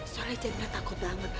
soalnya jamila takut banget